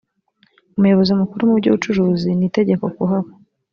umuyobozi mukuru mu by’ubucuruzi ni itegeko kuhaba